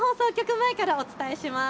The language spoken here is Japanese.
前からお伝えします。